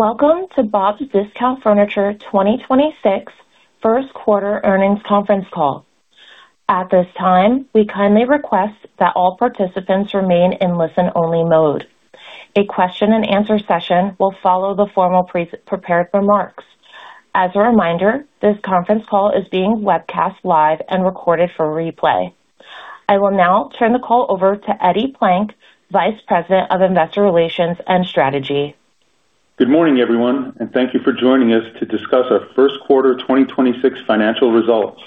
Welcome to Bob's Discount Furniture 2026 first quarter earnings conference call. At this time, we kindly request that all participants remain in listen-only mode. A question and answer session will follow the formal pre-prepared remarks. As a reminder, this conference call is being webcast live and recorded for replay. I will now turn the call over to Edward Plank, Vice President of Investor Relations and Strategy. Good morning, everyone, and thank you for joining us to discuss our first quarter 2026 financial results.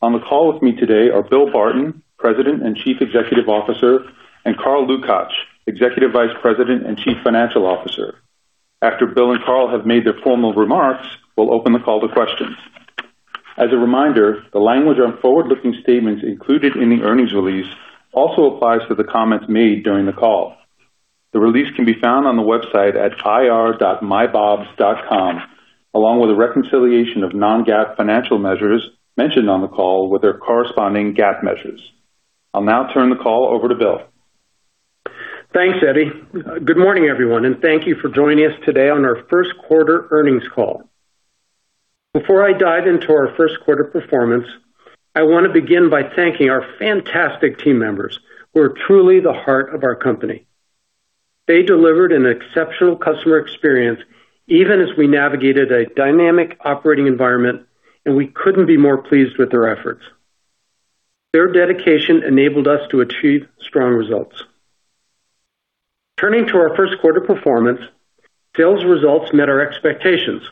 On the call with me today are Bill Barton, President and Chief Executive Officer, and Carl Lukach, Executive Vice President and Chief Financial Officer. After Bill and Carl have made their formal remarks, we'll open the call to questions. As a reminder, the language on forward-looking statements included in the earnings release also applies to the comments made during the call. The release can be found on the website at ir.mybobs.com, along with a reconciliation of non-GAAP financial measures mentioned on the call with their corresponding GAAP measures. I'll now turn the call over to Bill. Thanks, Eddie. Good morning, everyone, and thank you for joining us today on our first quarter earnings call. Before I dive into our first quarter performance, I wanna begin by thanking our fantastic team members who are truly the heart of our company. They delivered an exceptional customer experience even as we navigated a dynamic operating environment, and we couldn't be more pleased with their efforts. Their dedication enabled us to achieve strong results. Turning to our first quarter performance, sales results met our expectations,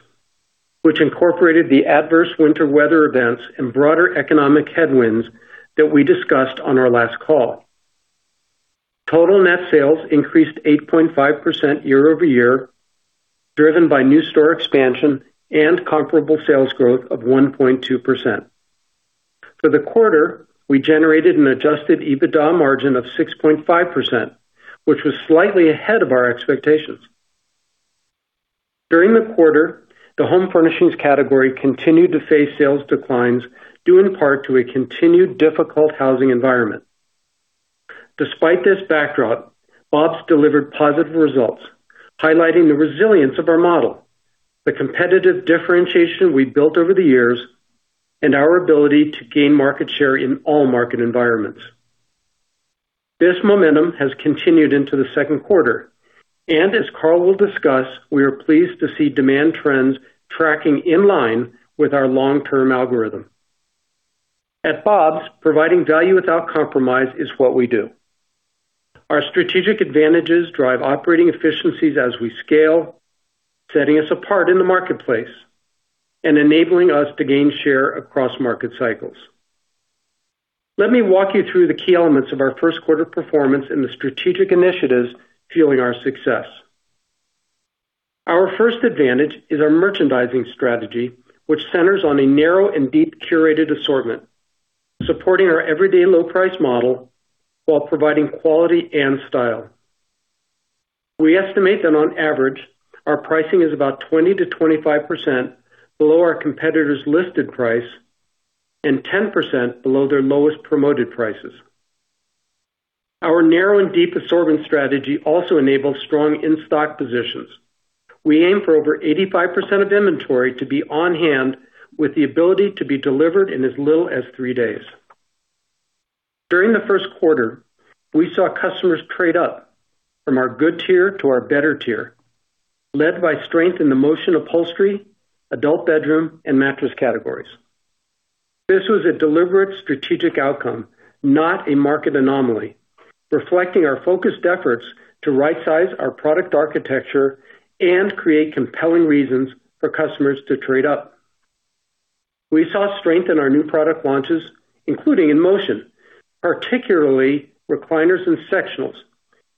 which incorporated the adverse winter weather events and broader economic headwinds that we discussed on our last call. Total net sales increased 8.5% year-over-year, driven by new store expansion and comparable sales growth of 1.2%. For the quarter, we generated an adjusted EBITDA margin of 6.5%, which was slightly ahead of our expectations. During the quarter, the home furnishings category continued to face sales declines, due in part to a continued difficult housing environment. Despite this backdrop, Bob's delivered positive results, highlighting the resilience of our model, the competitive differentiation we've built over the years, and our ability to gain market share in all market environments. This momentum has continued into the second quarter, and as Carl will discuss, we are pleased to see demand trends tracking in line with our long-term algorithm. At Bob's, providing value without compromise is what we do. Our strategic advantages drive operating efficiencies as we scale, setting us apart in the marketplace and enabling us to gain share across market cycles. Let me walk you through the key elements of our first quarter performance and the strategic initiatives fueling our success. Our first advantage is our merchandising strategy, which centers on a narrow and deep curated assortment, supporting our everyday low price model while providing quality and style. We estimate that on average, our pricing is about 20%-25% below our competitors' listed price and 10% below their lowest promoted prices. Our narrow and deep assortment strategy also enables strong in-stock positions. We aim for over 85% of inventory to be on hand with the ability to be delivered in as little as three days. During the first quarter, we saw customers trade up from our good tier to our better tier, led by strength in the motion upholstery, adult bedroom, and mattress categories. This was a deliberate strategic outcome, not a market anomaly, reflecting our focused efforts to right-size our product architecture and create compelling reasons for customers to trade up. We saw strength in our new product launches, including in motion, particularly recliners and sectionals,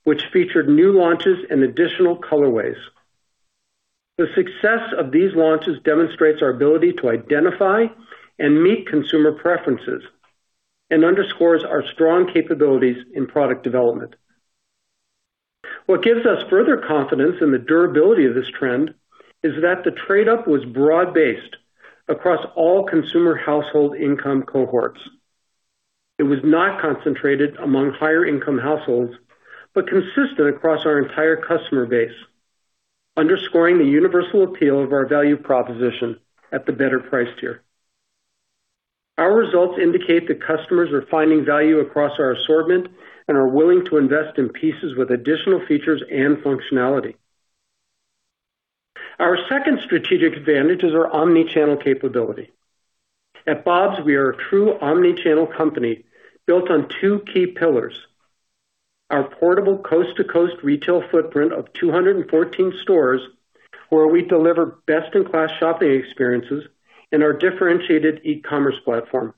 which featured new launches and additional colorways. The success of these launches demonstrates our ability to identify and meet consumer preferences and underscores our strong capabilities in product development. What gives us further confidence in the durability of this trend is that the trade up was broad-based across all consumer household income cohorts. It was not concentrated among higher income households, but consistent across our entire customer base, underscoring the universal appeal of our value proposition at the better price tier. Our results indicate that customers are finding value across our assortment and are willing to invest in pieces with additional features and functionality. Our second strategic advantage is our omnichannel capability. At Bob's, we are a true omni-channel company built on two key pillars: our portable coast-to-coast retail footprint of 214 stores, where we deliver best-in-class shopping experiences and our differentiated e-commerce platform.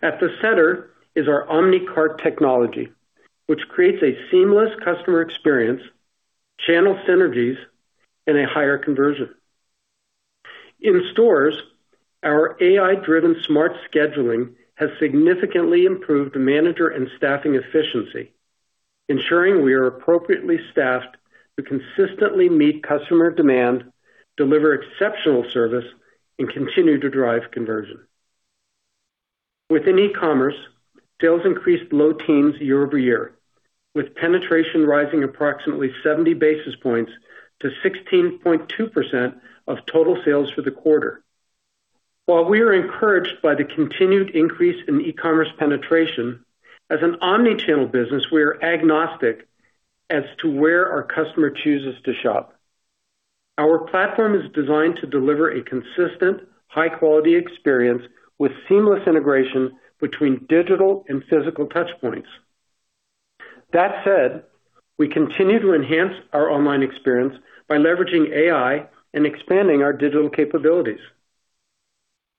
At the center is our OMNI Cart technology, which creates a seamless customer experience, channel synergies, and a higher conversion. In stores, our AI-driven smart scheduling has significantly improved manager and staffing efficiency, ensuring we are appropriately staffed to consistently meet customer demand, deliver exceptional service, and continue to drive conversion. Within e-commerce, sales increased low teens year-over-year, with penetration rising approximately 70 basis points to 16.2% of total sales for the quarter. While we are encouraged by the continued increase in e-commerce penetration, as an omni-channel business, we are agnostic as to where our customer chooses to shop. Our platform is designed to deliver a consistent high-quality experience with seamless integration between digital and physical touchpoints. That said, we continue to enhance our online experience by leveraging AI and expanding our digital capabilities.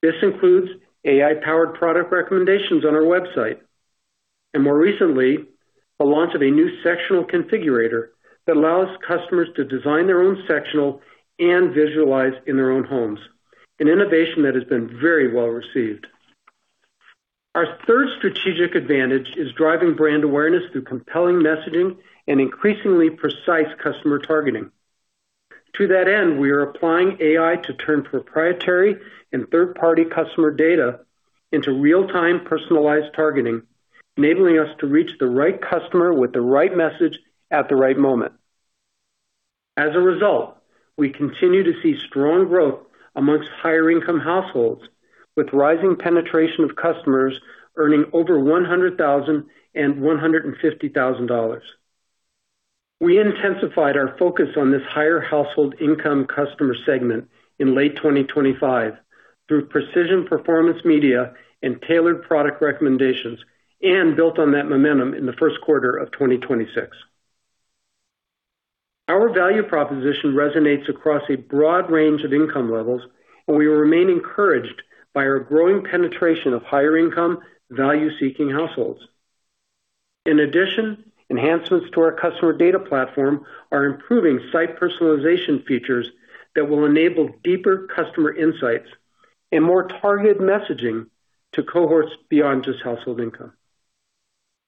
This includes AI-powered product recommendations on our website, and more recently, the launch of a new sectional configurator that allows customers to design their own sectional and visualize in their own homes, one innovation that has been very well received. Our third strategic advantage is driving brand awareness through compelling messaging and increasingly precise customer targeting. To that end, we are applying AI to turn proprietary and third-party customer data into real-time personalized targeting, enabling us to reach the right customer with the right message at the right moment. As a result, we continue to see strong growth amongst higher income households with rising penetration of customers earning over $100,000 and $150,000. We intensified our focus on this higher household income customer segment in late 2025 through precision performance media and tailored product recommendations and built on that momentum in the first quarter of 2026. Our value proposition resonates across a broad range of income levels, and we remain encouraged by our growing penetration of higher income value-seeking households. In addition, enhancements to our customer data platform are improving site personalization features that will enable deeper customer insights and more targeted messaging to cohorts beyond just household income.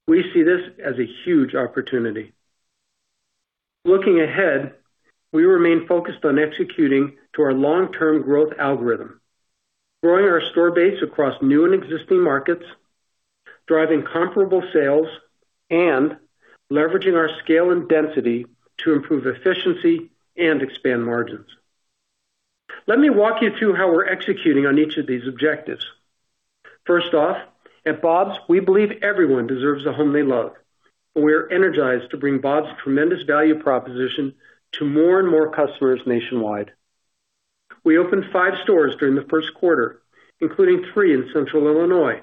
We see this as a huge opportunity. Looking ahead, we remain focused on executing to our long-term growth algorithm, growing our store base across new and existing markets, driving comparable sales, and leveraging our scale and density to improve efficiency and expand margins. Let me walk you through how we're executing on each of these objectives. First off, at Bob's, we believe everyone deserves a home they love. We are energized to bring Bob's tremendous value proposition to more and more customers nationwide. We opened five stores during the first quarter, including three in Central Illinois,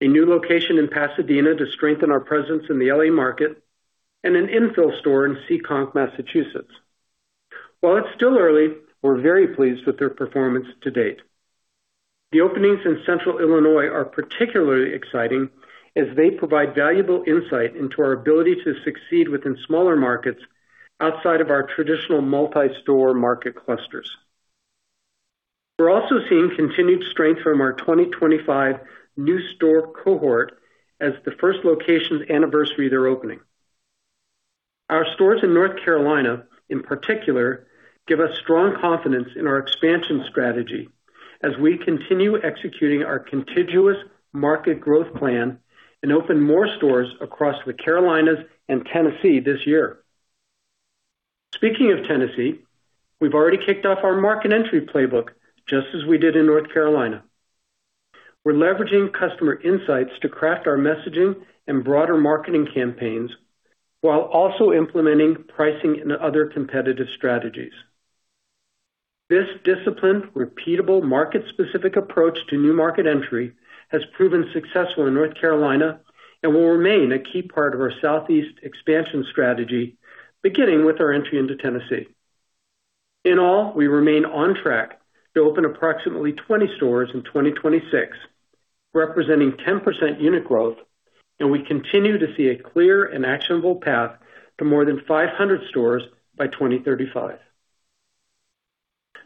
a new location in Pasadena to strengthen our presence in the L.A. market, and an infill store in Seekonk, Massachusetts. While it's still early, we're very pleased with their performance to date. The openings in Central Illinois are particularly exciting as they provide valuable insight into our ability to succeed within smaller markets outside of our traditional multi-store market clusters. We're also seeing continued strength from our 2025 new store cohort as the first location anniversary their opening. Our stores in North Carolina, in particular, give us strong confidence in our expansion strategy as we continue executing our contiguous market growth plan and open more stores across the Carolinas and Tennessee this year. Speaking of Tennessee, we've already kicked off our market entry playbook, just as we did in North Carolina. We're leveraging customer insights to craft our messaging and broader marketing campaigns while also implementing pricing and other competitive strategies. This disciplined, repeatable, market-specific approach to new market entry has proven successful in North Carolina and will remain a key part of our Southeast expansion strategy, beginning with our entry into Tennessee. In all, we remain on track to open approximately 20 stores in 2026, representing 10% unit growth, and we continue to see a clear and actionable path to more than 500 stores by 2035.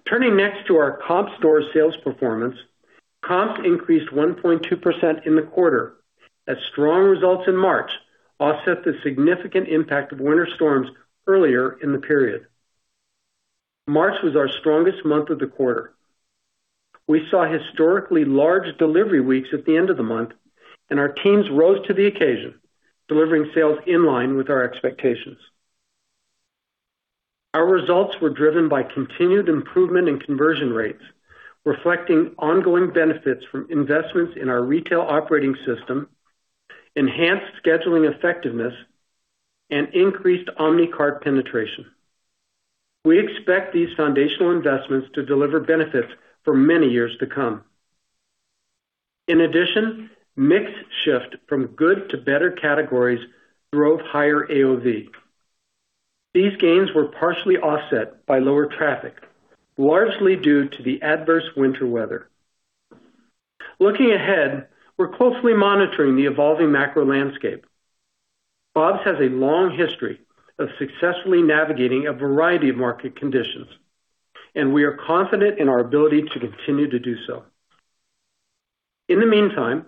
Turning next to our comp store sales performance. Comp increased 1.2% in the quarter as strong results in March offset the significant impact of winter storms earlier in the period. March was our strongest month of the quarter. We saw historically large delivery weeks at the end of the month, and our teams rose to the occasion, delivering sales in line with our expectations. Our results were driven by continued improvement in conversion rates, reflecting ongoing benefits from investments in our retail operating system, enhanced scheduling effectiveness, and increased OMNI Cart penetration. We expect these foundational investments to deliver benefits for many years to come. In addition, mix shift from good to better categories drove higher AOV. These gains were partially offset by lower traffic, largely due to the adverse winter weather. Looking ahead, we're closely monitoring the evolving macro landscape. Bob's has a long history of successfully navigating a variety of market conditions, and we are confident in our ability to continue to do so. In the meantime,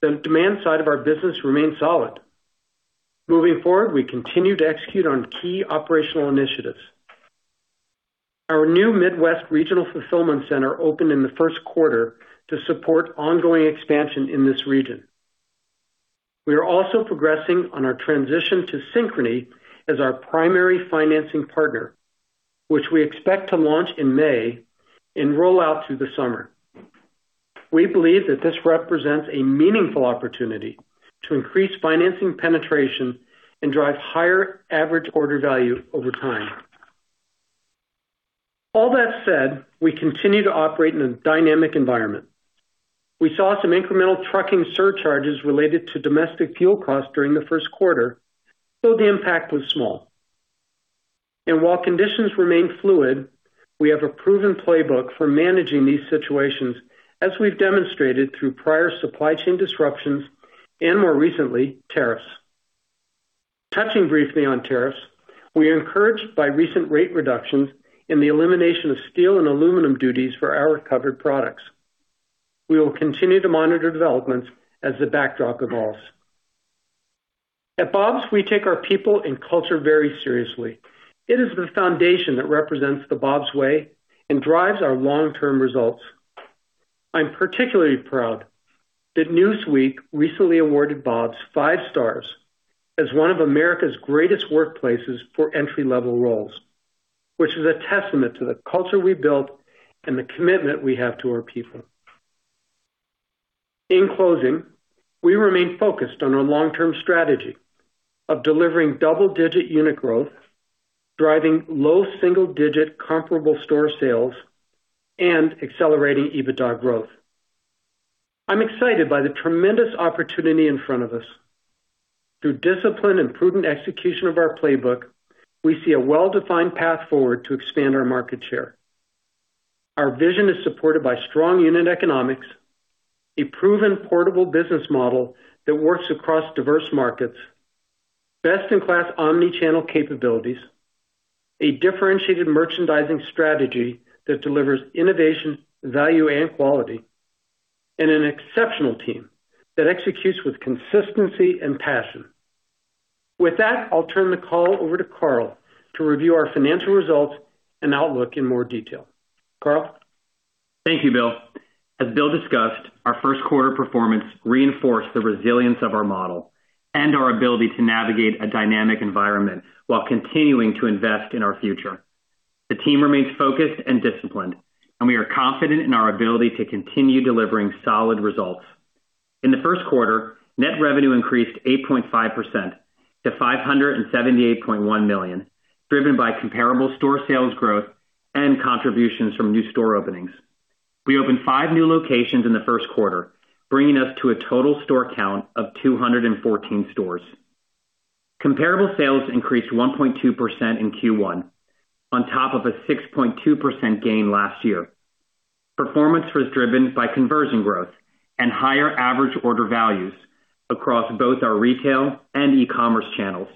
the demand side of our business remains solid. Moving forward, we continue to execute on key operational initiatives. Our new Midwest regional fulfillment center opened in the first quarter to support ongoing expansion in this region. We are also progressing on our transition to Synchrony as our primary financing partner, which we expect to launch in May and roll out through the summer. We believe that this represents a meaningful opportunity to increase financing penetration and drive higher average order value over time. All that said, we continue to operate in a dynamic environment. We saw some incremental trucking surcharges related to domestic fuel costs during the first quarter, though the impact was small. While conditions remain fluid, we have a proven playbook for managing these situations as we've demonstrated through prior supply chain disruptions and more recently, tariffs. Touching briefly on tariffs, we are encouraged by recent rate reductions in the elimination of steel and aluminum duties for our covered products. We will continue to monitor developments as the backdrop evolves. At Bob's, we take our people and culture very seriously. It is the foundation that represents the Bob's way and drives our long-term results. I'm particularly proud that Newsweek recently awarded Bob's five stars as one of America's greatest workplaces for entry-level roles, which is a testament to the culture we built and the commitment we have to our people. In closing, we remain focused on our long-term strategy of delivering double-digit unit growth, driving low single-digit comparable store sales, and accelerating EBITDA growth. I'm excited by the tremendous opportunity in front of us. Through discipline and prudent execution of our playbook, we see a well-defined path forward to expand our market share. Our vision is supported by strong unit economics, a proven portable business model that works across diverse markets, best-in-class omni-channel capabilities, a differentiated merchandising strategy that delivers innovation, value, and quality, and an exceptional team that executes with consistency and passion. With that, I'll turn the call over to Carl to review our financial results and outlook in more detail. Carl. Thank you, Bill. As Bill discussed, our first quarter performance reinforced the resilience of our model and our ability to navigate a dynamic environment while continuing to invest in our future. The team remains focused and disciplined, and we are confident in our ability to continue delivering solid results. In the first quarter, net revenue increased 8.5% to $578.1 million, driven by comparable store sales growth and contributions from new store openings. We opened five new locations in the first quarter, bringing us to a total store count of 214 stores. Comparable sales increased 1.2% in Q1 on top of a 6.2% gain last year. Performance was driven by conversion growth and higher average order values across both our retail and e-commerce channels,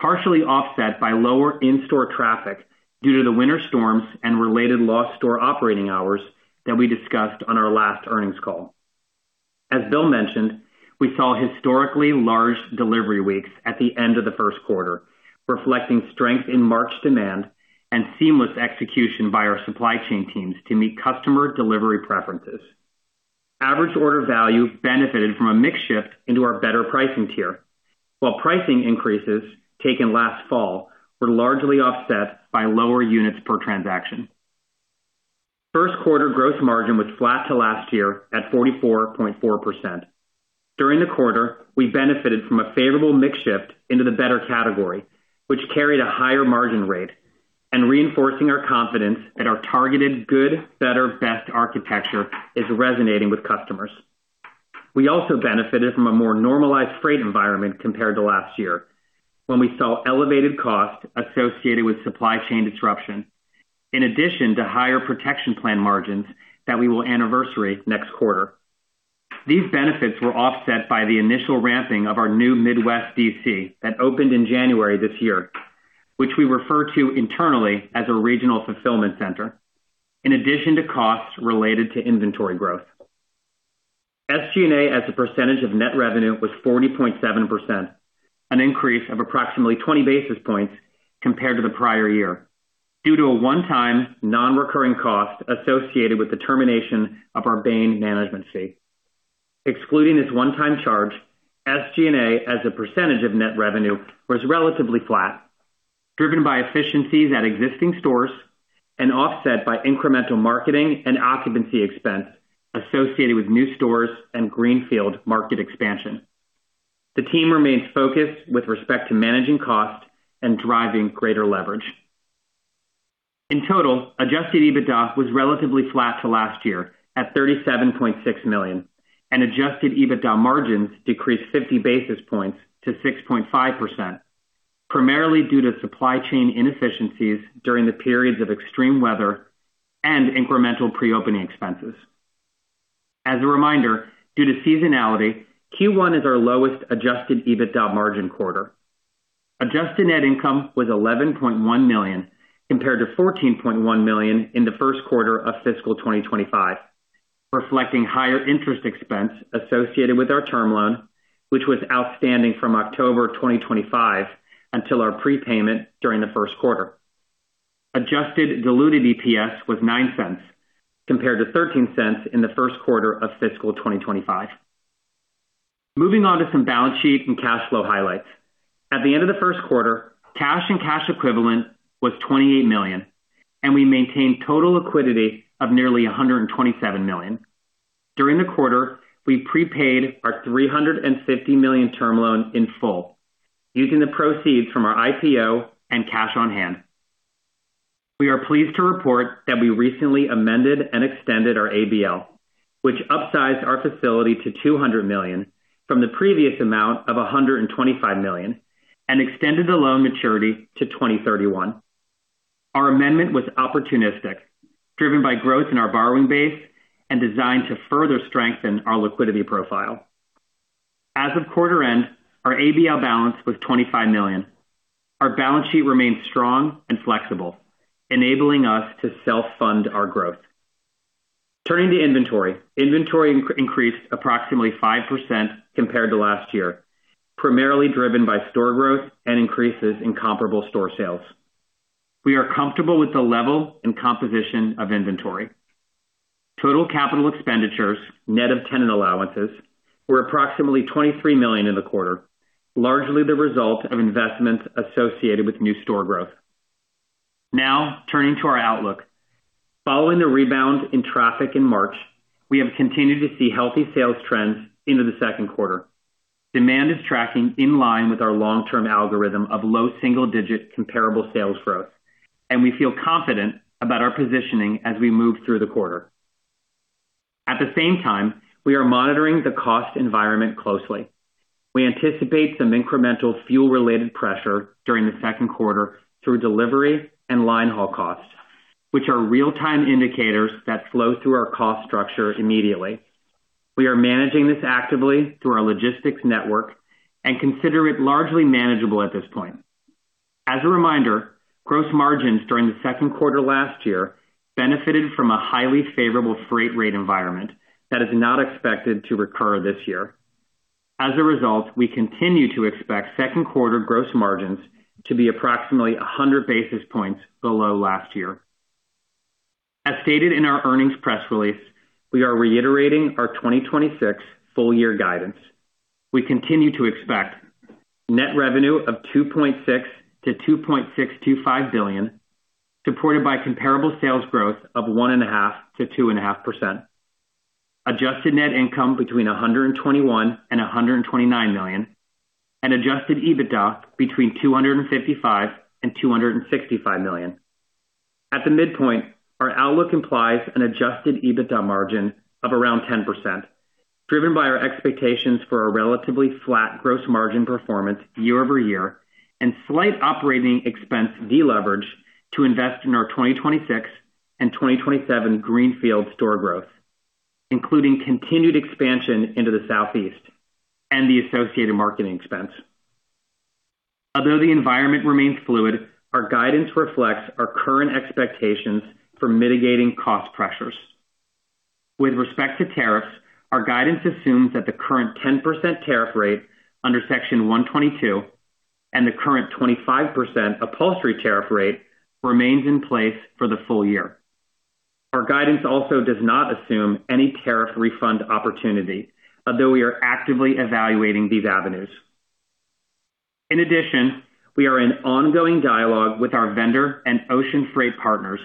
partially offset by lower in-store traffic due to the winter storms and related lost store operating hours that we discussed on our last earnings call. As Bill mentioned, we saw historically large delivery weeks at the end of the first quarter, reflecting strength in March demand and seamless execution by our supply chain teams to meet customer delivery preferences. Average order value benefited from a mix shift into our better pricing tier, while pricing increases taken last fall were largely offset by lower units per transaction. First quarter gross margin was flat to last year at 44.4%. During the quarter, we benefited from a favorable mix shift into the better category, which carried a higher margin rate and reinforcing our confidence that our targeted good, better, best architecture is resonating with customers. We also benefited from a more normalized freight environment compared to last year when we saw elevated costs associated with supply chain disruption, in addition to higher protection plan margins that we will anniversary next quarter. These benefits were offset by the initial ramping of our new Midwest DC that opened in January this year, which we refer to internally as a regional fulfillment center, in addition to costs related to inventory growth. SG&A as a percentage of net revenue was 40.7%, an increase of approximately 20 basis points compared to the prior year due to a one-time non-recurring cost associated with the termination of our Bain management fee. Excluding this one-time charge, SG&A as a percentage of net revenue was relatively flat, driven by efficiencies at existing stores and offset by incremental marketing and occupancy expense associated with new stores and greenfield market expansion. The team remains focused with respect to managing costs and driving greater leverage. In total, adjusted EBITDA was relatively flat to last year at $37.6 million, and adjusted EBITDA margins decreased 50 basis points to 6.5%, primarily due to supply chain inefficiencies during the periods of extreme weather and incremental pre-opening expenses. As a reminder, due to seasonality, Q1 is our lowest adjusted EBITDA margin quarter. Adjusted net income was $11.1 million compared to $14.1 million in the first quarter of fiscal 2025, reflecting higher interest expense associated with our term loan, which was outstanding from October 2025 until our prepayment during the first quarter. Adjusted diluted EPS was $0.09 compared to $0.13 in the first quarter of FY 2025. Moving on to some balance sheet and cash flow highlights. At the end of the first quarter, cash and cash equivalent was $28 million, and we maintained total liquidity of nearly $127 million. During the quarter, we prepaid our $350 million term loan in full using the proceeds from our IPO and cash on hand. We are pleased to report that we recently amended and extended our ABL, which upsized our facility to $200 million from the previous amount of $125 million and extended the loan maturity to 2031. Our amendment was opportunistic, driven by growth in our borrowing base and designed to further strengthen our liquidity profile. As of quarter end, our ABL balance was $25 million. Our balance sheet remains strong and flexible, enabling us to self-fund our growth. Turning to inventory. Inventory increased approximately 5% compared to last year, primarily driven by store growth and increases in comparable store sales. We are comfortable with the level and composition of inventory. Total CapEx, net of tenant allowances, were approximately $23 million in the quarter, largely the result of investments associated with new store growth. Turning to our outlook. Following the rebound in traffic in March, we have continued to see healthy sales trends into the second quarter. Demand is tracking in line with our long-term algorithm of low single-digit comparable sales growth, and we feel confident about our positioning as we move through the quarter. At the same time, we are monitoring the cost environment closely. We anticipate some incremental fuel related pressure during the second quarter through delivery and line haul costs, which are real-time indicators that flow through our cost structure immediately. We are managing this actively through our logistics network and consider it largely manageable at this point. As a reminder, gross margins during the second quarter last year benefited from a highly favorable freight rate environment that is not expected to recur this year. As a result, we continue to expect second quarter gross margins to be approximately 100 basis points below last year. As stated in our earnings press release, we are reiterating our 2026 full year guidance. We continue to expect net revenue of $2.6 billion-$2.625 billion, supported by comparable sales growth of 1.5%-2.5%. Adjusted net income between $121 million and $129 million. Adjusted EBITDA between $255 million and $265 million. At the midpoint, our outlook implies an adjusted EBITDA margin of around 10%, driven by our expectations for a relatively flat gross margin performance year-over-year and slight operating expense deleverage to invest in our 2026 and 2027 greenfield store growth, including continued expansion into the Southeast and the associated marketing expense. Although the environment remains fluid, our guidance reflects our current expectations for mitigating cost pressures. With respect to tariffs, our guidance assumes that the current 10% tariff rate under Section 301 and the current 25% upholstery tariff rate remains in place for the full year. Our guidance also does not assume any tariff refund opportunity, although we are actively evaluating these avenues. In addition, we are in ongoing dialogue with our vendor and ocean freight partners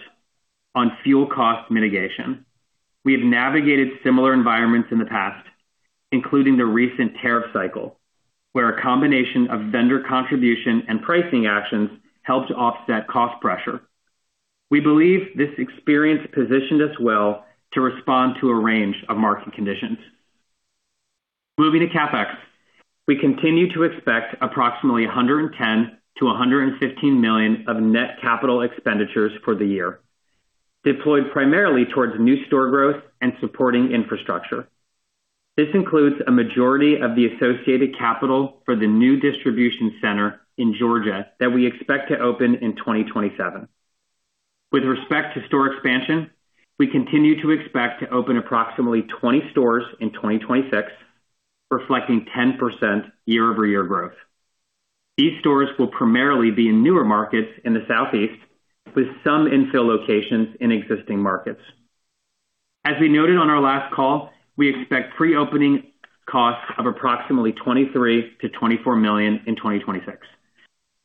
on fuel cost mitigation. We have navigated similar environments in the past, including the recent tariff cycle, where a combination of vendor contribution and pricing actions helped offset cost pressure. We believe this experience positioned us well to respond to a range of market conditions. Moving to CapEx. We continue to expect approximately $110 million-$115 million of net capital expenditures for the year, deployed primarily towards new store growth and supporting infrastructure. This includes a majority of the associated capital for the new distribution center in Georgia that we expect to open in 2027. With respect to store expansion, we continue to expect to open approximately 20 stores in 2026, reflecting 10% year-over-year growth. These stores will primarily be in newer markets in the Southeast, with some infill locations in existing markets. As we noted on our last call, we expect pre-opening costs of approximately $23 million-$24 million in 2026,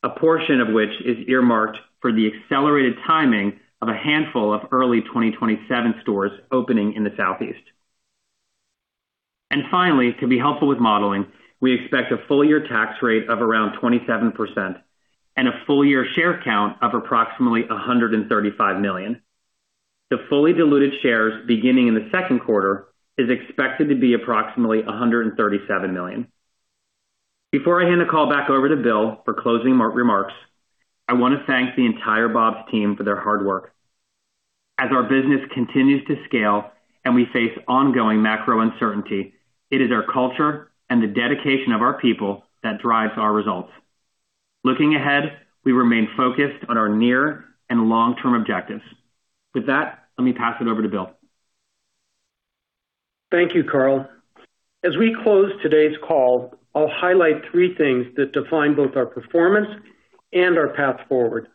a portion of which is earmarked for the accelerated timing of a handful of early 2027 stores opening in the Southeast. Finally, to be helpful with modeling, we expect a full year tax rate of around 27% and a full year share count of approximately 135 million. The fully diluted shares beginning in the second quarter is expected to be approximately 137 million. Before I hand the call back over to Bill for closing remarks, I want to thank the entire Bob's team for their hard work. As our business continues to scale and we face ongoing macro uncertainty, it is our culture and the dedication of our people that drives our results. Looking ahead, we remain focused on our near and long-term objectives. With that, let me pass it over to Bill. Thank you, Carl. As we close today's call, I'll highlight three things that define both our performance and our path forward.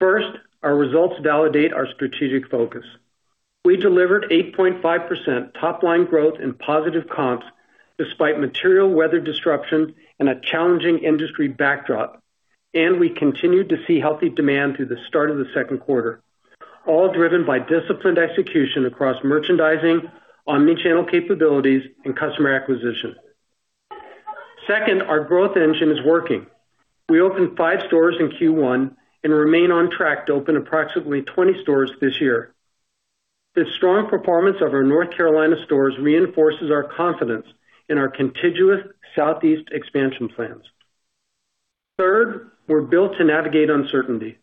First, our results validate our strategic focus. We delivered 8.5% top line growth and positive comps despite material weather disruptions and a challenging industry backdrop. We continued to see healthy demand through the start of the second quarter, all driven by disciplined execution across merchandising, omni-channel capabilities and customer acquisition. Second, our growth engine is working. We opened five stores in Q1 and remain on track to open approximately 20 stores this year. The strong performance of our North Carolina stores reinforces our confidence in our contiguous southeast expansion plans. Third, we're built to navigate uncertainty.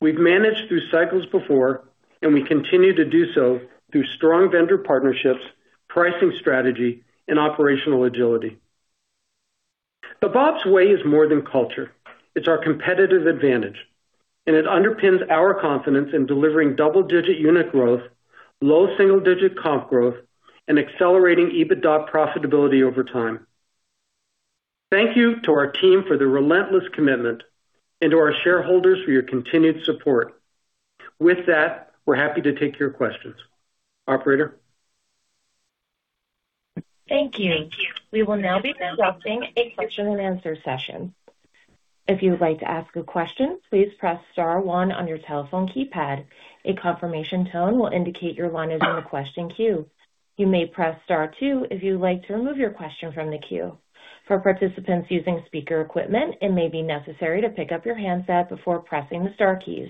We've managed through cycles before, and we continue to do so through strong vendor partnerships, pricing strategy, and operational agility. The Bob's way is more than culture. It's our competitive advantage, and it underpins our confidence in delivering double-digit unit growth, low single-digit comp growth, and accelerating EBITDA profitability over time. Thank you to our team for the relentless commitment and to our shareholders for your continued support. With that, we're happy to take your questions. Operator. Thank you. We will now be conducting a question and answer session. If you would like to ask a question, please press star one on your telephone keypad. A confirmation tone will indicate you're lined in the question queue. You may press star two if you'd like to remove your question from the queue. For participants using speaker equipment, it may be necessary to pick up your handset before pressing the star keys.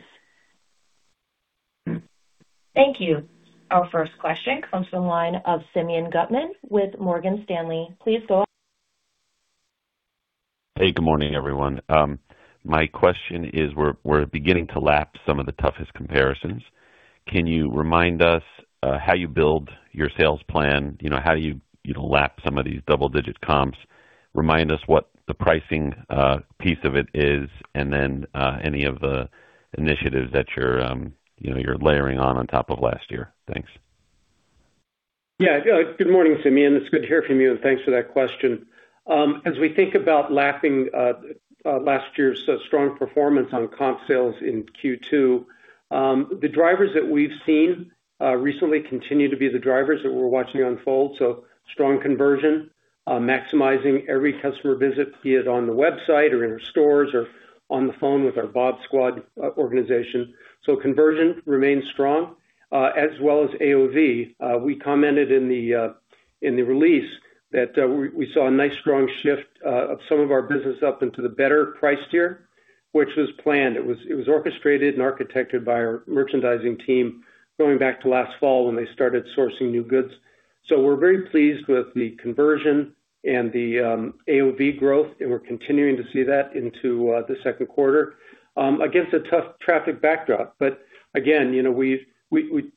Thank you. Our first question comes from the line of Simeon Gutman with Morgan Stanley. Please go- Hey, good morning, everyone. My question is, we're beginning to lap some of the toughest comparisons. Can you remind us how you build your sales plan? You know, how do you know, lap some of these double digit comps? Remind us what the pricing piece of it is and then any of the initiatives that you're, you know, you're layering on top of last year. Thanks. Yeah. Good morning, Simeon. It's good to hear from you, and thanks for that question. As we think about lapping last year's strong performance on comp sales in Q2, the drivers that we've seen recently continue to be the drivers that we're watching unfold. Strong conversion, maximizing every customer visit, be it on the website or in our stores or on the phone with our Bob's Squad organization. Conversion remains strong as well as AOV. We commented in the release that we saw a nice strong shift of some of our business up into the better price tier, which was planned. It was orchestrated and architected by our merchandising team going back to last fall when they started sourcing new goods. We're very pleased with the conversion and the AOV growth, and we're continuing to see that into the second quarter against a tough traffic backdrop. Again, you know, we've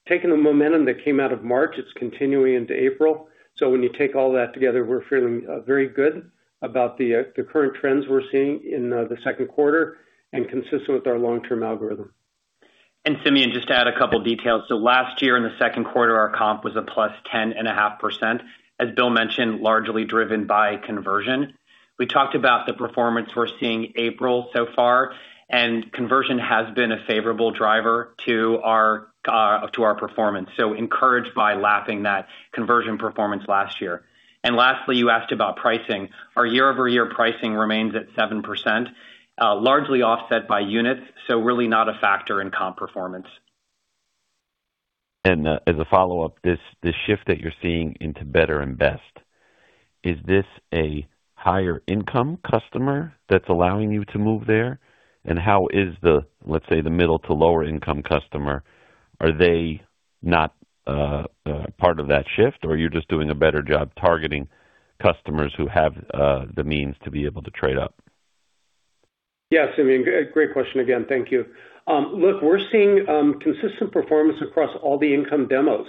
taken the momentum that came out of March. It's continuing into April. When you take all that together, we're feeling very good about the current trends we're seeing in the second quarter and consistent with our long term algorithm. Simeon, just to add a couple details. Last year in the second quarter, our comp was a +10.5%, as Bill mentioned, largely driven by conversion. We talked about the performance we're seeing April so far, and conversion has been a favorable driver to our to our performance, so encouraged by lapping that conversion performance last year. Lastly, you asked about pricing. Our year-over-year pricing remains at 7%, largely offset by units, so really not a factor in comp performance. As a follow-up, this shift that you're seeing into better and best, is this a higher income customer that's allowing you to move there? How is the, let's say, the middle to lower income customer, are they not part of that shift, or you're just doing a better job targeting customers who have the means to be able to trade up? Yeah, Simeon, great question again. Thank you. Look, we're seeing consistent performance across all the income demos.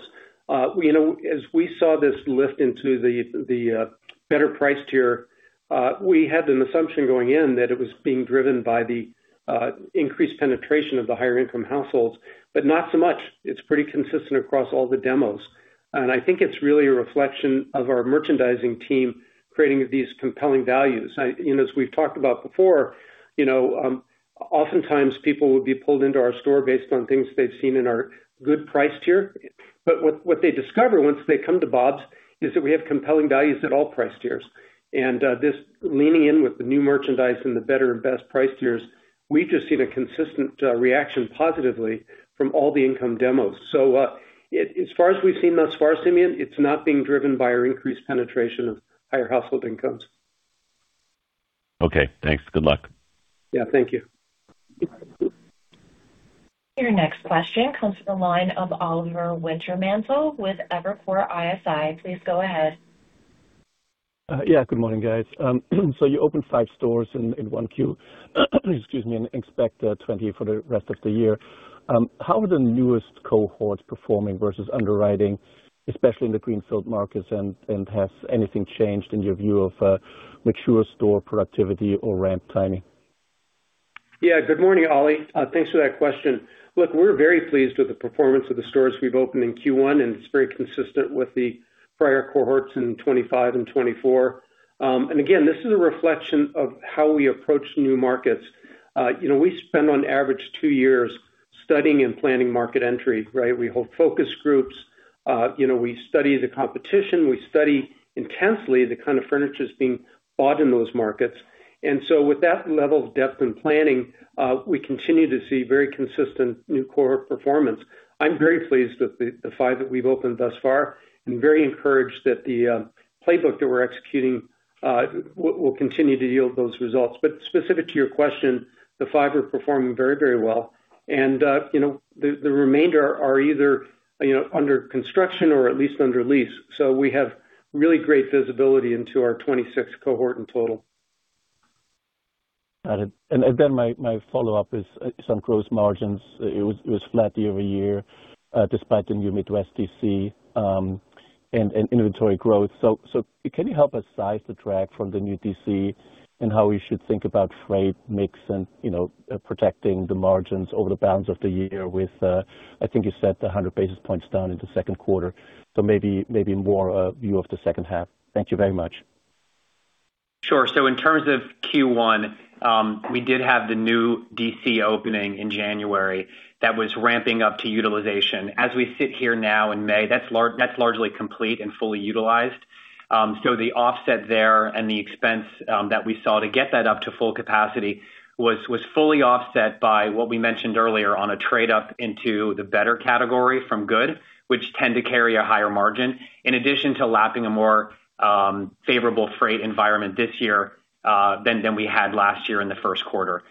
You know, as we saw this lift into the better price tier, we had an assumption going in that it was being driven by the increased penetration of the higher income households, but not so much. It's pretty consistent across all the demos, I think it's really a reflection of our merchandising team creating these compelling values. You know, as we've talked about before, you know, oftentimes people would be pulled into our store based on things they've seen in our good price tier. What they discover once they come to Bob's is that we have compelling values at all price tiers. This leaning in with the new merchandise and the better and best price tiers, we've just seen a consistent reaction positively from all the income demos. As far as we've seen thus far, Simeon, it's not being driven by our increased penetration of higher household incomes. Okay, thanks. Good luck. Yeah, thank you. Your next question comes from the line of Oliver Wintermantel with Evercore ISI. Please go ahead. Yeah, good morning, guys. You opened five stores in 1Q, excuse me, and expect 20 for the rest of the year. How are the newest cohorts performing versus underwriting, especially in the greenfield markets? Has anything changed in your view of mature store productivity or ramp timing? Yeah. Good morning, Oli. Thanks for that question. Look, we're very pleased with the performance of the stores we've opened in Q1, and it's very consistent with the prior cohorts in 2025 and 2024. Again, this is a reflection of how we approach new markets. You know, we spend on average two years studying and planning market entry, right? We hold focus groups. You know, we study the competition. We study intensely the kind of furnitures being bought in those markets. With that level of depth and planning, we continue to see very consistent new cohort performance. I'm very pleased with the five that we've opened thus far and very encouraged that the playbook that we're executing will continue to yield those results. Specific to your question, the five are performing very, very well. You know, the remainder are either, you know, under construction or at least under lease. We have really great visibility into our 26 cohort in total. Got it. My follow-up is on gross margins. It was flat year-over-year despite the new Midwest DC and inventory growth. Can you help us size the track from the new DC and how we should think about freight mix and protecting the margins over the balance of the year with I think you said 100 basis points down in the second quarter, so more view of the second half. Thank you very much. Sure. In terms of Q1, we did have the new DC opening in January that was ramping up to utilization. As we sit here now in May, that's largely complete and fully utilized. The offset there and the expense that we saw to get that up to full capacity was fully offset by what we mentioned earlier on a trade up into the better category from good, which tend to carry a higher margin, in addition to lapping a more favorable freight environment this year than we had last year in the first quarter.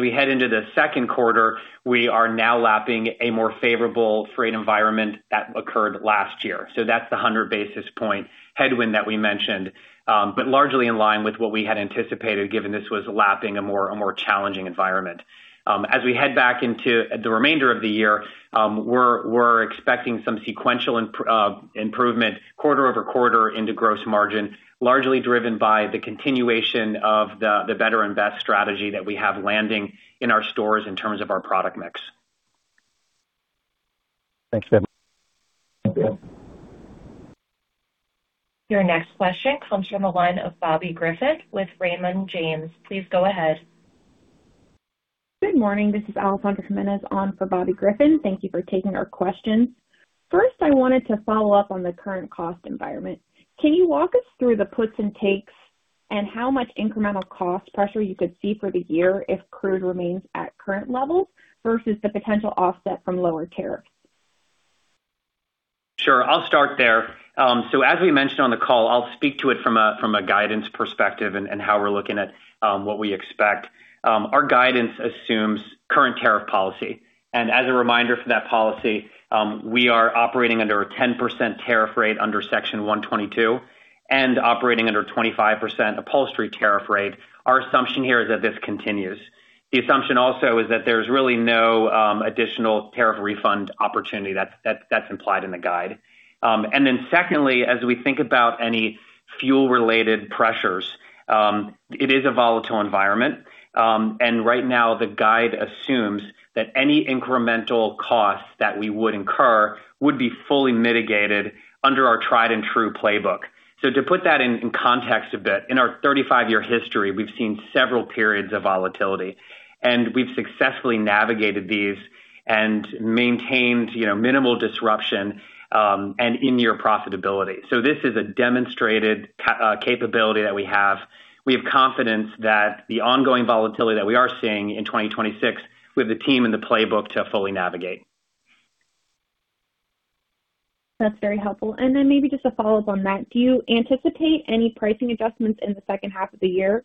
We head into the second quarter, we are now lapping a more favorable freight environment that occurred last year. That's the 100 basis point headwind that we mentioned. Largely in line with what we had anticipated, given this was lapping a more challenging environment. As we head back into the remainder of the year, we're expecting some sequential improvement quarter-over-quarter into gross margin, largely driven by the continuation of the better and best strategy that we have landing in our stores in terms of our product mix. Thanks very much. Thank you. Your next question comes from the line of Bobby Griffin with Raymond James. Please go ahead. Good morning. This is Alessandra Jimenez on for Bobby Griffin. Thank you for taking our questions. First, I wanted to follow up on the current cost environment. Can you walk us through the puts and takes and how much incremental cost pressure you could see for the year if crude remains at current levels versus the potential offset from lower tariffs? Sure. I'll start there. As we mentioned on the call, I'll speak to it from a guidance perspective and how we're looking at what we expect. Our guidance assumes current tariff policy. As a reminder for that policy, we are operating under a 10% tariff rate under Section 122 and operating under 25% upholstery tariff rate. Our assumption here is that this continues. The assumption also is that there's really no additional tariff refund opportunity that's implied in the guide. Secondly, as we think about any fuel-related pressures, it is a volatile environment. Right now, the guide assumes that any incremental costs that we would incur would be fully mitigated under our tried and true playbook. To put that in context a bit, in our 35-year history, we've seen several periods of volatility, and we've successfully navigated these and maintained, you know, minimal disruption and in year profitability. This is a demonstrated capability that we have. We have confidence that the ongoing volatility that we are seeing in 2026 with the team and the playbook to fully navigate. That's very helpful. Then maybe just a follow-up on that. Do you anticipate any pricing adjustments in the second half of the year?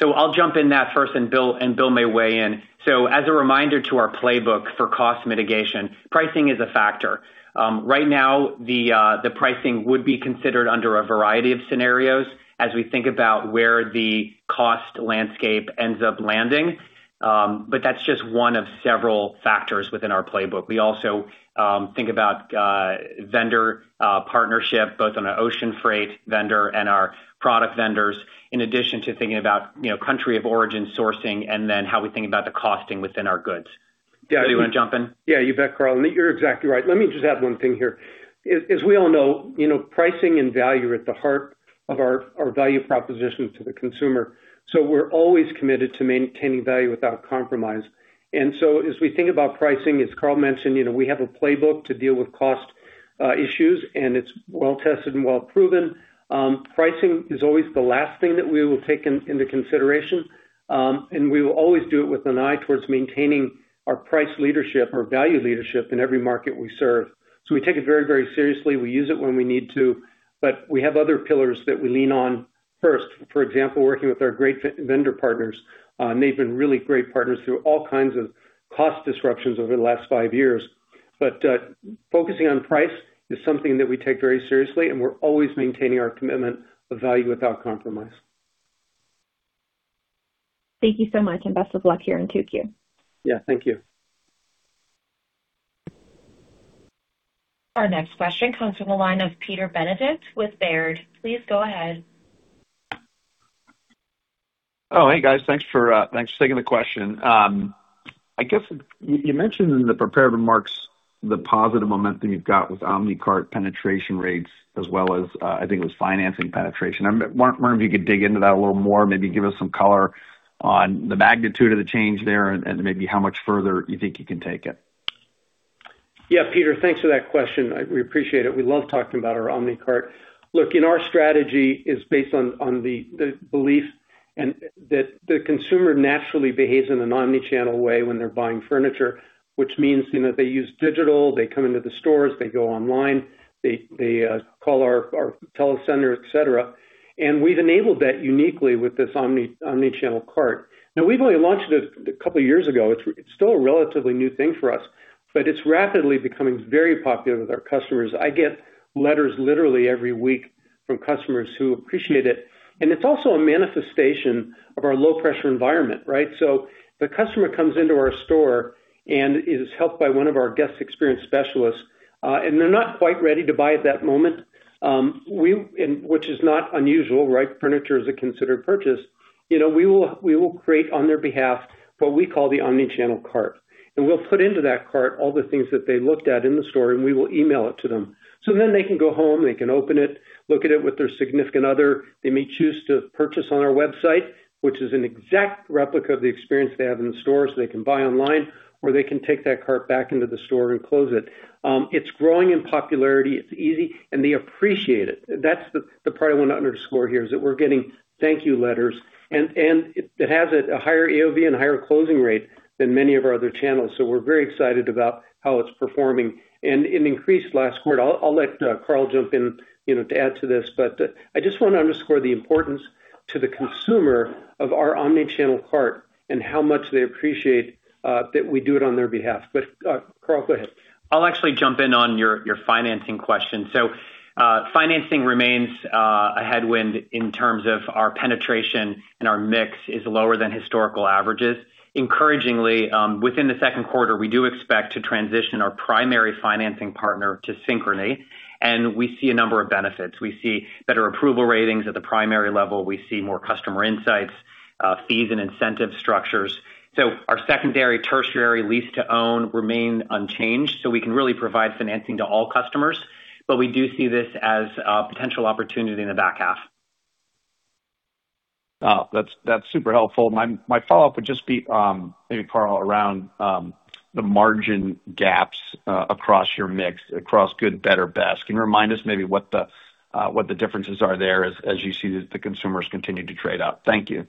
I'll jump in that first, and Bill may weigh in. As a reminder to our playbook for cost mitigation, pricing is a factor. Right now, the pricing would be considered under a variety of scenarios as we think about where the cost landscape ends up landing. That's just one of several factors within our playbook. We also think about vendor partnership, both on an ocean freight vendor and our product vendors, in addition to thinking about, you know, country of origin sourcing and then how we think about the costing within our goods. Yeah. Do you wanna jump in? Yeah. You bet, Carl. You're exactly right. Let me just add one thing here. As we all know, you know, pricing and value are at the heart of our value proposition to the consumer. We're always committed to maintaining value without compromise. As we think about pricing, as Carl mentioned, you know, we have a playbook to deal with cost issues, and it's well tested and well proven. Pricing is always the last thing that we will take into consideration, and we will always do it with an eye towards maintaining our price leadership or value leadership in every market we serve. We take it very seriously. We use it when we need to, but we have other pillars that we lean on first. For example, working with our great vendor partners. They've been really great partners through all kinds of cost disruptions over the last five years. Focusing on price is something that we take very seriously, and we're always maintaining our commitment of value without compromise. Thank you so much, and best of luck here in 2Q. Yeah. Thank you. Our next question comes from the line of Peter Benedict with Baird. Please go ahead. Hey, guys. Thanks for taking the question. I guess you mentioned in the prepared remarks the positive momentum you've got with OMNI Cart penetration rates as well as, I think it was financing penetration. I wonder if you could dig into that a little more, maybe give us some color on the magnitude of the change there and maybe how much further you think you can take it. Yeah, Peter, thanks for that question. We appreciate it. We love talking about our OMNI Cart. Look, our strategy is based on the belief and that the consumer naturally behaves in an omni-channel way when they're buying furniture, which means, you know, they use digital, they come into the stores, they go online, they call our telecenter, et cetera. We've enabled that uniquely with this omni-channel cart. Now, we've only launched it a couple years ago. It's still a relatively new thing for us, but it's rapidly becoming very popular with our customers. I get letters literally every week from customers who appreciate it, and it's also a manifestation of our low-pressure environment, right? The customer comes into our store and is helped by one of our guest experience specialists, and they're not quite ready to buy at that moment. Which is not unusual, right? Furniture is a considered purchase. You know, we will create on their behalf what we call the omni-channel cart. We'll put into that cart all the things that they looked at in the store, and we will email it to them. They can go home, they can open it, look at it with their significant other. They may choose to purchase on our website, which is an exact replica of the experience they have in the store, so they can buy online or they can take that cart back into the store and close it. It's growing in popularity, it's easy, and they appreciate it. That's the part I wanna underscore here is that we're getting thank you letters and it has a higher AOV and higher closing rate than many of our other channels. We're very excited about how it's performing. It increased last quarter. I'll let Carl jump in, you know, to add to this, I just wanna underscore the importance to the consumer of our OMNI Cart and how much they appreciate that we do it on their behalf. Carl, go ahead. I'll actually jump in on your financing question. Financing remains a headwind in terms of our penetration, and our mix is lower than historical averages. Encouragingly, within the second quarter, we do expect to transition our primary financing partner to Synchrony, and we see a number of benefits. We see better approval ratings at the primary level. We see more customer insights, fees and incentive structures. Our secondary, tertiary lease to own remain unchanged, so we can really provide financing to all customers, but we do see this as a potential opportunity in the back half. Oh, that's super helpful. My follow-up would just be, maybe, Carl, around the margin gaps across your mix, across good, better, best. Can you remind us maybe what the differences are there as you see the consumers continue to trade up? Thank you.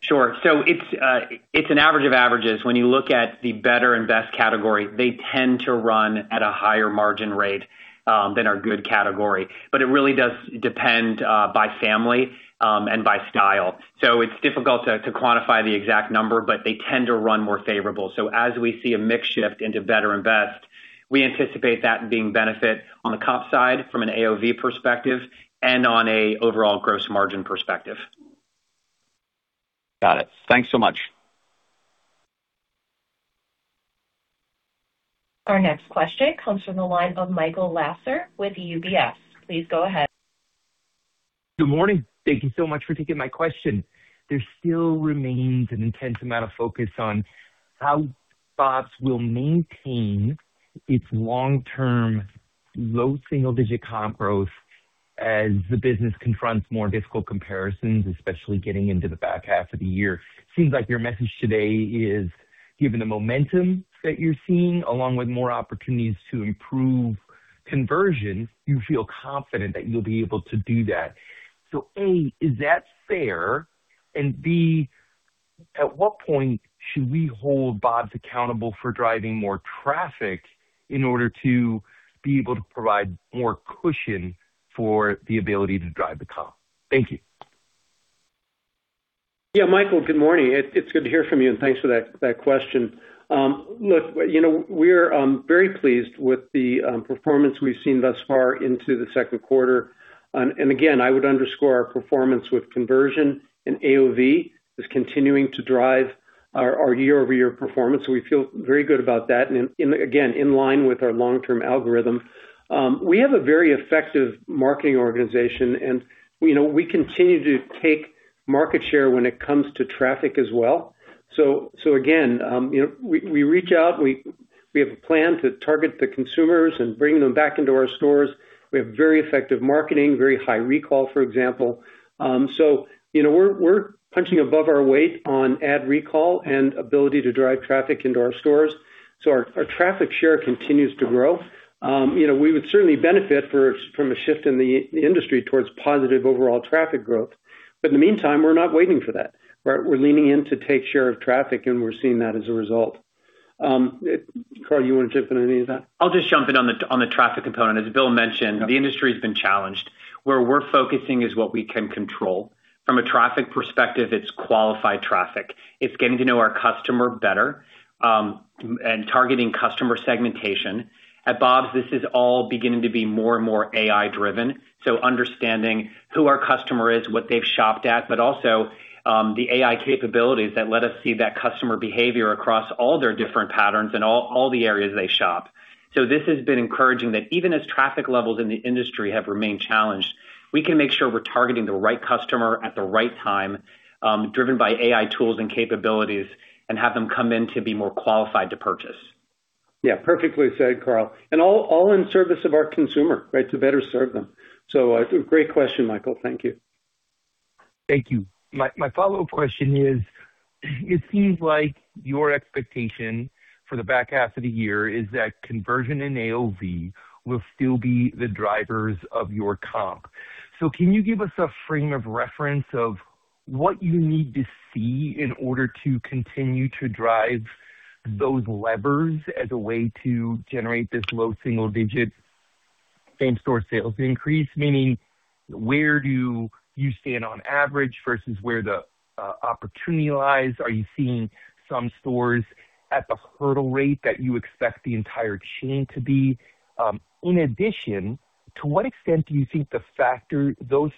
Sure. It's an average of averages. When you look at the better and best category, they tend to run at a higher margin rate than our good category. It really does depend by family and by style. It's difficult to quantify the exact number, but they tend to run more favorable. As we see a mix shift into better and best, we anticipate that being benefit on the comp side from an AOV perspective and on a overall gross margin perspective. Got it. Thanks so much. Our next question comes from the line of Michael Lasser with UBS. Please go ahead. Good morning. Thank you so much for taking my question. There still remains an intense amount of focus on how Bob's will maintain its long-term, low single-digit comp growth as the business confronts more difficult comparisons, especially getting into the back half of the year. Seems like your message today is, given the momentum that you're seeing, along with more opportunities to improve conversion, you feel confident that you'll be able to do that. A, is that fair? B, at what point should we hold Bob's accountable for driving more traffic in order to be able to provide more cushion for the ability to drive the comp? Thank you. Yeah, Michael, good morning. It's good to hear from you, thanks for that question. Look, you know, we're very pleased with the performance we've seen thus far into the second quarter. Again, I would underscore our performance with conversion and AOV is continuing to drive our year-over-year performance. We feel very good about that. Again, in line with our long-term algorithm. We have a very effective marketing organization, you know, we continue to take market share when it comes to traffic as well. Again, you know, we reach out. We have a plan to target the consumers and bring them back into our stores. We have very effective marketing, very high recall, for example. You know, we're punching above our weight on ad recall and ability to drive traffic into our stores. Our traffic share continues to grow. you know, we would certainly benefit from a shift in the industry towards positive overall traffic growth. In the meantime, we're not waiting for that, right? We're leaning in to take share of traffic, and we're seeing that as a result. Carl, you wanna jump in on any of that? I'll just jump in on the traffic component. As Bill mentioned- Yeah The industry has been challenged. Where we're focusing is what we can control. From a traffic perspective, it's qualified traffic. It's getting to know our customer better, and targeting customer segmentation. At Bob's, this is all beginning to be more and more AI-driven, understanding who our customer is, what they've shopped at, but also, the AI capabilities that let us see that customer behavior across all their different patterns and all the areas they shop. This has been encouraging that even as traffic levels in the industry have remained challenged, we can make sure we're targeting the right customer at the right time, driven by AI tools and capabilities, and have them come in to be more qualified to purchase. Yeah, perfectly said, Carl. All in service of our consumer, right? To better serve them. Great question, Michael. Thank you. Thank you. My follow-up question is, it seems like your expectation for the back half of the year is that conversion in AOV will still be the drivers of your comp. Can you give us a frame of reference of what you need to see in order to continue to drive those levers as a way to generate this low single-digit same store sales increase? Meaning, where do you stand on average versus where the opportunity lies? Are you seeing some stores at the hurdle rate that you expect the entire chain to be? In addition, to what extent do you think those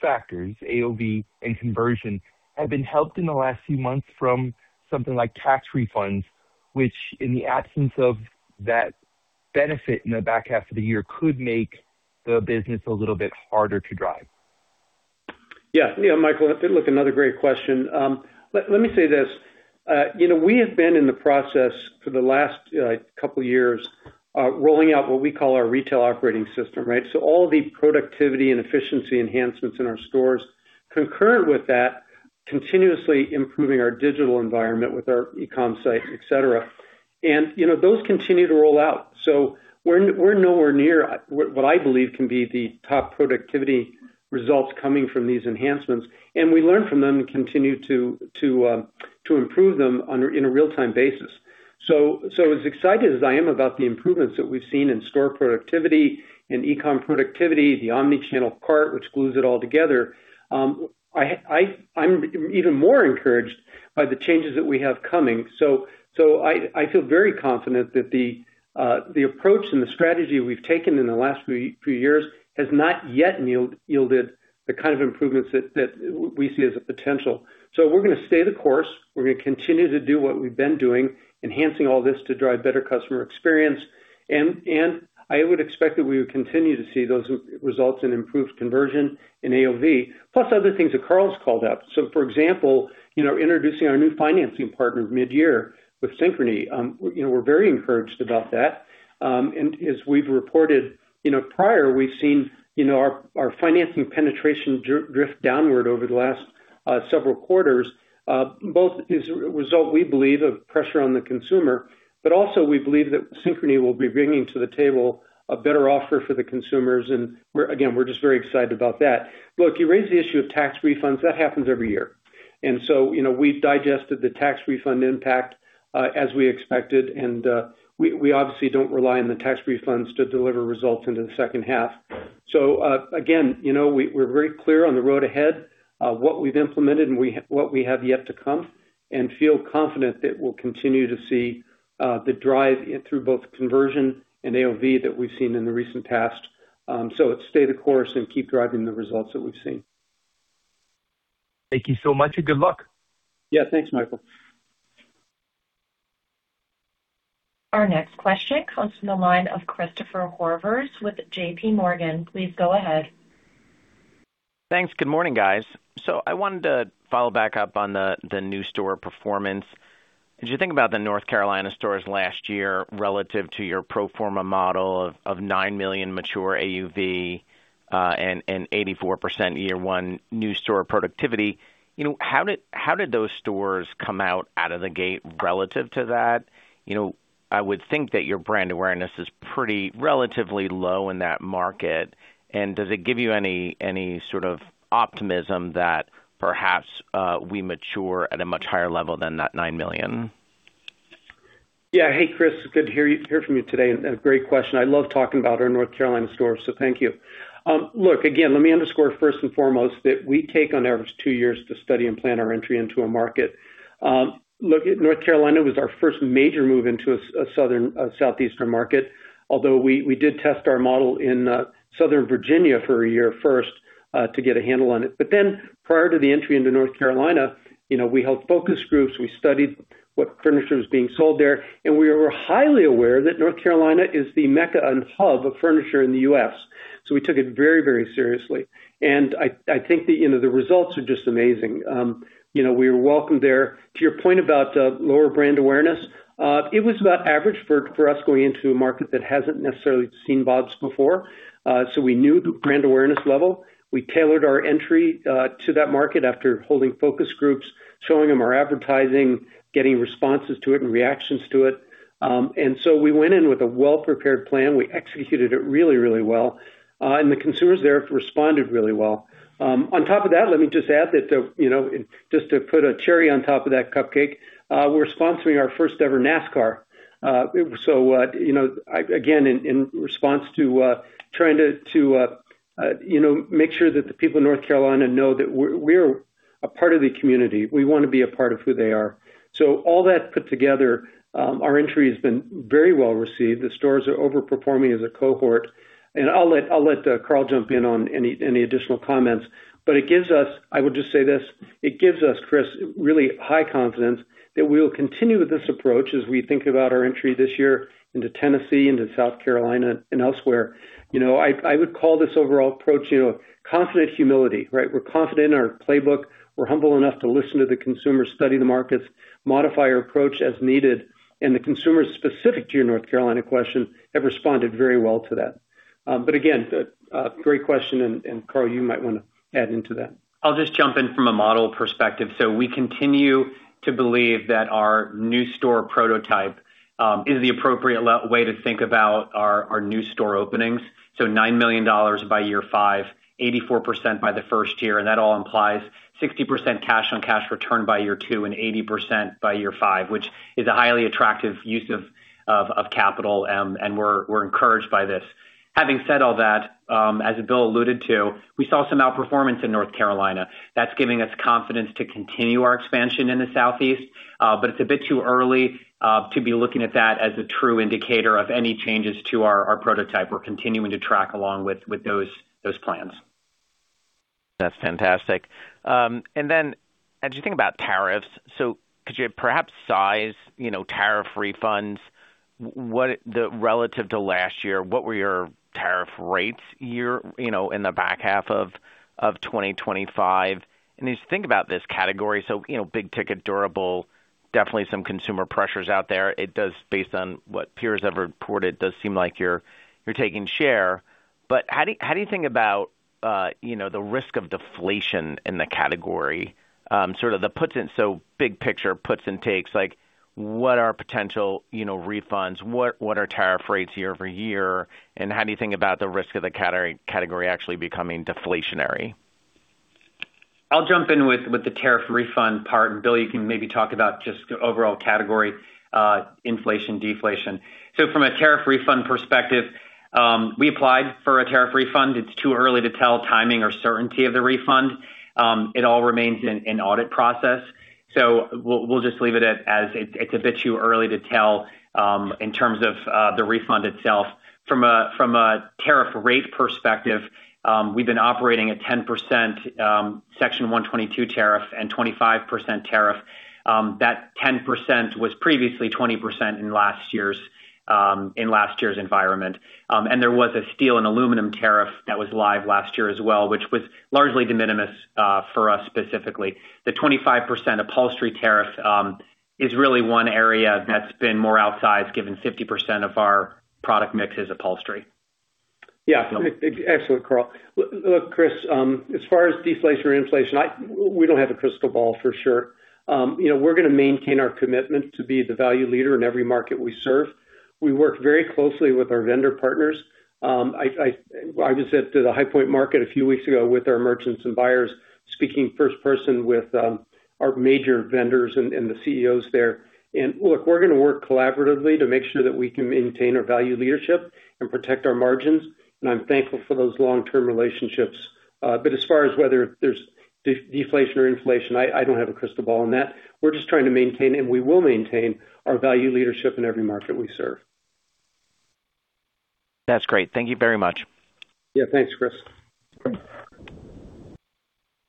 factors, AOV and conversion, have been helped in the last few months from something like tax refunds, which in the absence of that benefit in the back half of the year could make the business a little bit harder to drive? Michael, look, another great question. Let me say this, you know, we have been in the process for the last couple of years, rolling out what we call our retail operating system, right, all the productivity and efficiency enhancements in our stores. Concurrent with that, continuously improving our digital environment with our e-com site, et cetera. You know, those continue to roll out. We're nowhere near what I believe can be the top productivity results coming from these enhancements. We learn from them and continue to improve them in a real-time basis. As excited as I am about the improvements that we've seen in store productivity and e-com productivity, the OMNI Cart, which glues it all together, I'm even more encouraged by the changes that we have coming. I feel very confident that the approach and the strategy we've taken in the last few years has not yet yielded the kind of improvements that we see as a potential. We're gonna stay the course. We're gonna continue to do what we've been doing, enhancing all this to drive better customer experience. I would expect that we would continue to see those results in improved conversion in AOV, plus other things that Carl's called out. For example, you know, introducing our new financing partners midyear with Synchrony. You know, we're very encouraged about that. As we've reported, you know, prior, we've seen, you know, our financing penetration drift downward over the last several quarters, both as a result, we believe, of pressure on the consumer, but also we believe that Synchrony will be bringing to the table a better offer for the consumers. We're, again, we're just very excited about that. Look, you raised the issue of tax refunds, that happens every year. You know, we've digested the tax refund impact as we expected, we obviously don't rely on the tax refunds to deliver results into the second half. Again, you know, we're very clear on the road ahead, what we've implemented and what we have yet to come, and feel confident that we'll continue to see the drive through both conversion and AOV that we've seen in the recent past. It's stay the course and keep driving the results that we've seen. Thank you so much, and good luck. Yeah, thanks, Michael. Our next question comes from the line of Christopher Horvers with JPMorgan. Please go ahead. Thanks. Good morning, guys. I wanted to follow back up on the new store performance. As you think about the North Carolina stores last year relative to your pro forma model of $9 million mature AUV, and 84% year one new store productivity, you know, how did those stores come out of the gate relative to that? You know, I would think that your brand awareness is pretty relatively low in that market. Does it give you any sort of optimism that perhaps we mature at a much higher level than that $9 million? Yeah. Hey, Chris, good to hear from you today, a great question. I love talking about our North Carolina stores, thank you. Look, again, let me underscore first and foremost that we take on average two years to study and plan our entry into a market. Look, North Carolina was our first major move into a southern, a southeastern market, although we did test our model in Southern Virginia for a year first to get a handle on it. Prior to the entry into North Carolina, you know, we held focus groups. We studied what furniture was being sold there, we were highly aware that North Carolina is the mecca and hub of furniture in the U.S. We took it very, very seriously. I think the, you know, the results are just amazing. You know, we were welcomed there. To your point about lower brand awareness, it was about average for us going into a market that hasn't necessarily seen Bob's before. We knew the brand awareness level. We tailored our entry to that market after holding focus groups, showing them our advertising, getting responses to it and reactions to it. We went in with a well-prepared plan. We executed it really, really well, and the consumers there responded really well. On top of that, let me just add that the, you know, just to put a cherry on top of that cupcake, we're sponsoring our first ever NASCAR. You know, again, in response to trying to, you know, make sure that the people in North Carolina know that we're a part of the community. We wanna be a part of who they are. All that put together, our entry has been very well received. The stores are over-performing as a cohort. I'll let Carl jump in on any additional comments. It gives us, Chris, really high confidence that we will continue with this approach as we think about our entry this year into Tennessee, into South Carolina, and elsewhere. You know, I would call this overall approach, you know, confident humility, right? We're confident in our playbook. We're humble enough to listen to the consumer, study the markets, modify our approach as needed. The consumers specific to your North Carolina question have responded very well to that. Again, great question, and Carl, you might wanna add into that. I'll just jump in from a model perspective. We continue to believe that our new store prototype is the appropriate way to think about our new store openings. $9 million by year five, 84% by the first year, and that all implies 60% cash on cash return by year two and 80% by year five, which is a highly attractive use of capital. We're encouraged by this. Having said all that, as Bill alluded to, we saw some outperformance in North Carolina. That's giving us confidence to continue our expansion in the Southeast. It's a bit too early to be looking at that as a true indicator of any changes to our prototype. We're continuing to track along with those plans. That's fantastic. Then as you think about tariffs. Could you perhaps size, you know, tariff refunds? The relative to last year, what were your tariff rates year, you know, in the back half of 2025? As you think about this category, you know, big ticket durable, definitely some consumer pressures out there. It does, based on what peers have reported, does seem like you're taking share. How do you think about, you know, the risk of deflation in the category? Sort of the puts and big picture puts and takes, like what are potential, you know, refunds? What are tariff rates year over year? How do you think about the risk of the category actually becoming deflationary? I'll jump in with the tariff refund part. Bill, you can maybe talk about just the overall category, inflation, deflation. From a tariff refund perspective, we applied for a tariff refund. It's too early to tell timing or certainty of the refund. It all remains in audit process. We'll just leave it as it's a bit too early to tell in terms of the refund itself. From a tariff rate perspective, we've been operating at 10%, Section 122 tariff and 25% tariff. That 10% was previously 20% in last year's in last year's environment. There was a steel and aluminum tariff that was live last year as well, which was largely de minimis for us specifically. The 25% upholstery tariff is really one area that's been more outsized, given 50% of our product mix is upholstery. Yeah. Excellent, Carl. Look, Chris, as far as deflation or inflation, we don't have a crystal ball for sure. You know, we're gonna maintain our commitment to be the value leader in every market we serve. We work very closely with our vendor partners. I was at the High Point Market a few weeks ago with our merchants and buyers, speaking first person with our major vendors and the CEOs there. Look, we're gonna work collaboratively to make sure that we can maintain our value leadership and protect our margins. I'm thankful for those long-term relationships. As far as whether there's deflation or inflation, I don't have a crystal ball on that. We're just trying to maintain, and we will maintain our value leadership in every market we serve. That's great. Thank you very much. Yeah. Thanks, Christopher.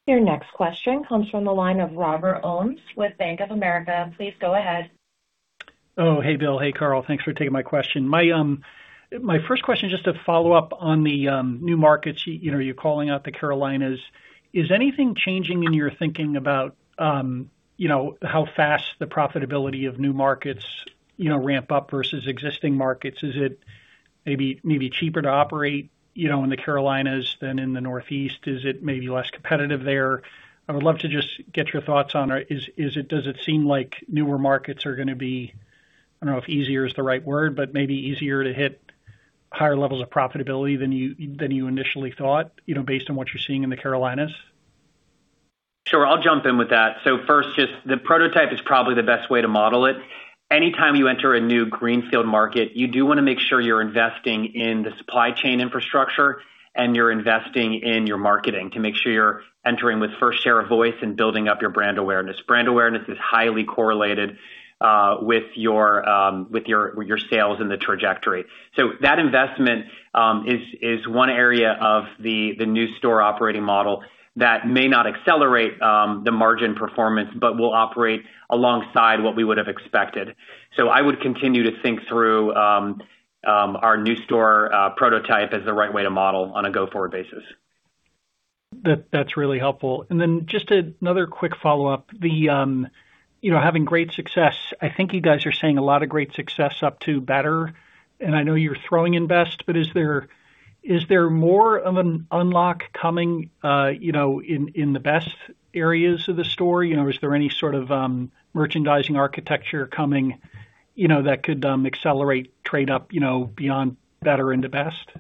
Your next question comes from the line of Robert Ohmes with Bank of America. Please go ahead. Hey, Bill. Hey, Carl. Thanks for taking my question. My first question is just a follow-up on the new markets. You know, you're calling out the Carolinas. Is anything changing in your thinking about, you know, how fast the profitability of new markets, you know, ramp up versus existing markets? Is it maybe cheaper to operate, you know, in the Carolinas than in the Northeast? Is it maybe less competitive there? I would love to just get your thoughts on, does it seem like newer markets are gonna be, I don't know if easier is the right word, but maybe easier to hit higher levels of profitability than you initially thought, you know, based on what you're seeing in the Carolinas? Sure. I'll jump in with that. First, just the prototype is probably the best way to model it. Anytime you enter a new greenfield market, you do wanna make sure you're investing in the supply chain infrastructure and you're investing in your marketing to make sure you're entering with first share of voice and building up your brand awareness. Brand awareness is highly correlated with your sales and the trajectory. That investment is one area of the new store operating model that may not accelerate the margin performance, but will operate alongside what we would have expected. I would continue to think through our new store prototype as the right way to model on a go-forward basis. That's really helpful. Just another quick follow-up. The, you know, having great success, I think you guys are seeing a lot of great success up to better, and I know you're throwing in best, but is there more of an unlock coming, you know, in the best areas of the store? You know, is there any sort of merchandising architecture coming, you know, that could accelerate trade up, you know, beyond better into best?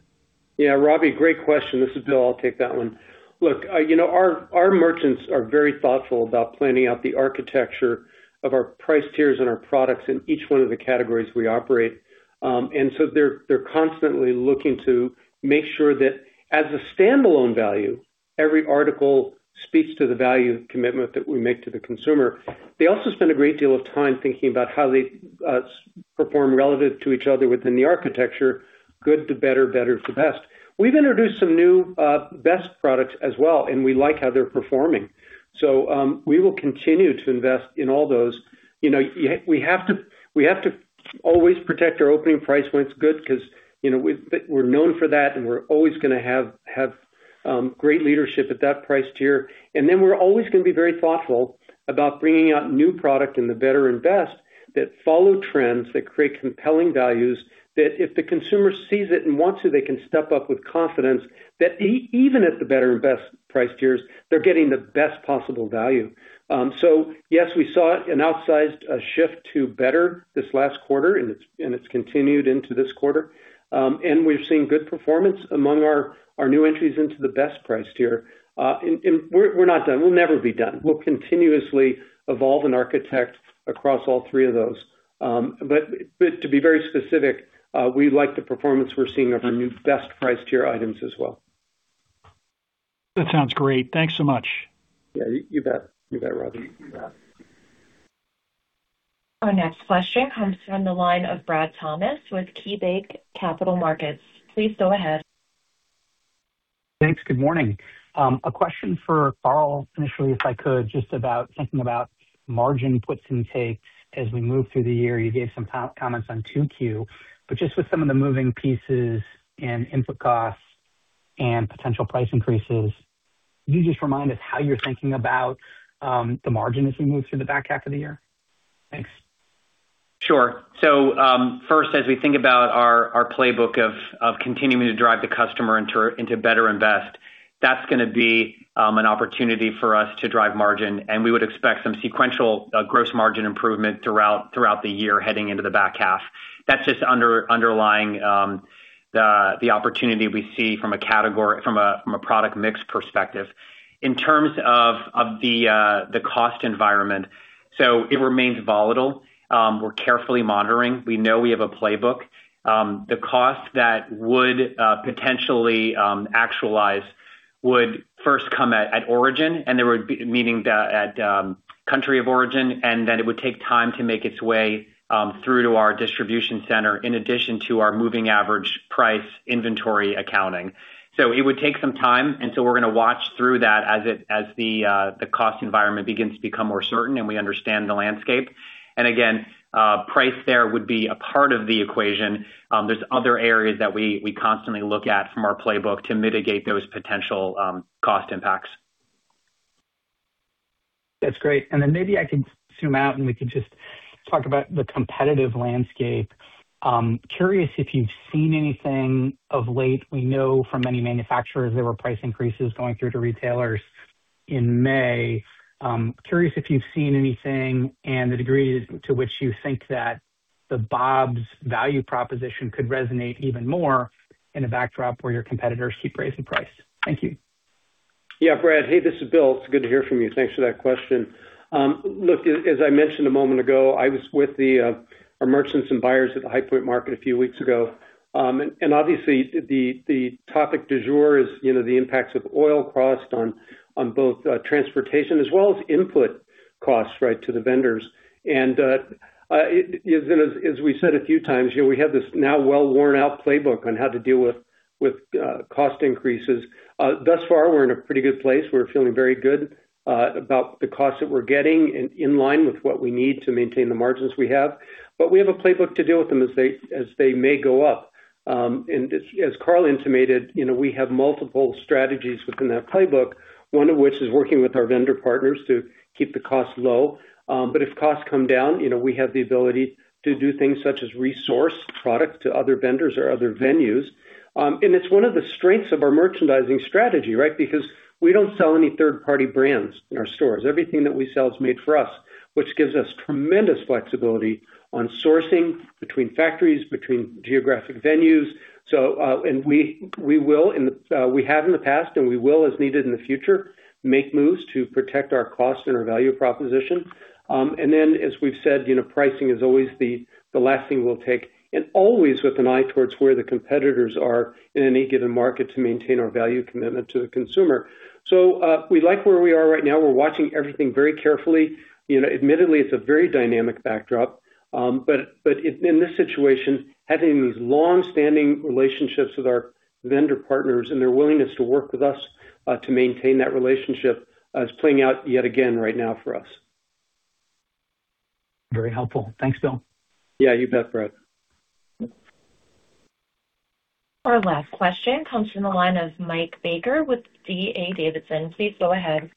Yeah. Robert great question. This is Bill. I'll take that one. Look, you know, our merchants are very thoughtful about planning out the architecture of our price tiers and our products in each one of the categories we operate. They're constantly looking to make sure that as a standalone value, every article speaks to the value commitment that we make to the consumer. They also spend a great deal of time thinking about how they perform relative to each other within the architecture. Good to better to best. We've introduced some new best products as well, and we like how they're performing. We will continue to invest in all those. You know, we have to always protect our opening price when it's good because, you know, we're known for that, and we're always gonna have great leadership at that price tier. We're always gonna be very thoughtful about bringing out new product in the better and best that follow trends, that create compelling values, that if the consumer sees it and wants it, they can step up with confidence that even at the better and best price tiers, they're getting the best possible value. Yes, we saw an outsized shift to better this last quarter, and it's continued into this quarter. We've seen good performance among our new entries into the best price tier. And we're not done. We'll never be done. We'll continuously evolve and architect across all three of those. To be very specific, we like the performance we're seeing of our new best price tier items as well. That sounds great. Thanks so much. Yeah, you bet. You bet, Robert. You bet. Our next question comes from the line of Brad Thomas with KeyBanc Capital Markets. Please go ahead. Thanks. Good morning. A question for Carl initially, if I could, just about thinking about margin puts and takes as we move through the year. You gave some comments on 2Q. Just with some of the moving pieces and input costs and potential price increases, can you just remind us how you're thinking about the margin as we move through the back half of the year? Thanks. Sure. First, as we think about our playbook of continuing to drive the customer into better and best, that's gonna be an opportunity for us to drive margin, and we would expect some sequential gross margin improvement throughout the year heading into the back half. That's just underlying the opportunity we see from a product mix perspective. In terms of the cost environment, it remains volatile. We're carefully monitoring. We know we have a playbook. The cost that would potentially actualize would first come at origin, and there would be country of origin, and then it would take time to make its way through to our distribution center, in addition to our moving average price inventory accounting. It would take some time, we're gonna watch through that as the cost environment begins to become more certain and we understand the landscape. Again, price there would be a part of the equation. There's other areas that we constantly look at from our playbook to mitigate those potential cost impacts. That's great. Maybe I could zoom out, and we could just talk about the competitive landscape. Curious if you've seen anything of late? We know from many manufacturers there were price increases going through to retailers in May. Curious if you've seen anything and the degree to which you think that the Bob's value proposition could resonate even more in a backdrop where your competitors keep raising prices? Thank you. Yeah, Brad. Hey, this is Bill. It's good to hear from you. Thanks for that question. Look, as I mentioned a moment ago, I was with the our merchants and buyers at the High Point market a few weeks ago. Obviously, the topic du jour is, you know, the impacts of oil cost on both transportation as well as input costs, right, to the vendors. As we said a few times, you know, we have this now well worn out playbook on how to deal with cost increases. Thus far, we're in a pretty good place. We're feeling very good about the costs that we're getting in line with what we need to maintain the margins we have. We have a playbook to deal with them as they may go up. As Carl intimated, you know, we have multiple strategies within that playbook, one of which is working with our vendor partners to keep the costs low. If costs come down, you know, we have the ability to do things such as resource product to other vendors or other venues. It's one of the strengths of our merchandising strategy, right? Because we don't sell any third-party brands in our stores. Everything that we sell is made for us, which gives us tremendous flexibility on sourcing between factories, between geographic venues. We have in the past, and we will as needed in the future, make moves to protect our cost and our value proposition. As we've said, you know, pricing is always the last thing we'll take, and always with an eye towards where the competitors are in any given market to maintain our value commitment to the consumer. We like where we are right now. We're watching everything very carefully. You know, admittedly, it's a very dynamic backdrop. In this situation, having these long-standing relationships with our vendor partners and their willingness to work with us to maintain that relationship is playing out yet again right now for us. Very helpful. Thanks, Bill. Yeah, you bet, Brad. Our last question comes from the line of Mike Baker with D.A. Davidson. Please go ahead.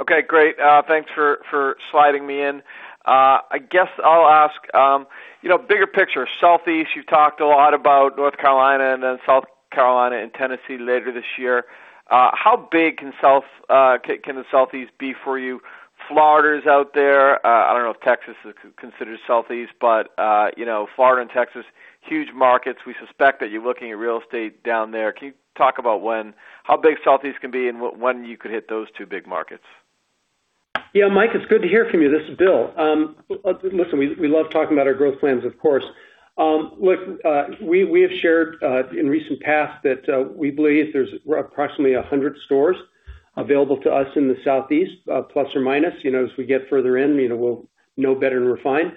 Okay, great. thanks for sliding me in. I guess I'll ask, you know, bigger picture. Southeast, you've talked a lot about North Carolina and then South Carolina and Tennessee later this year. How big can South, can the Southeast be for you? Florida is out there. I don't know if Texas is considered Southeast, but, you know, Florida and Texas, huge markets. We suspect that you're looking at real estate down there. Can you talk about how big Southeast can be and when you could hit those two big markets? Yeah, Mike, it's good to hear from you. This is Bill. Listen, we love talking about our growth plans, of course. Look, we have shared in recent past that we believe there's approximately 100 stores available to us in the southeast, plus or minus. You know, as we get further in, you know, we'll know better and refine.